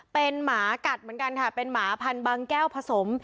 เป็นหมากัดเหมือนกันค่ะเป็นหมาพันบางแก้วผสม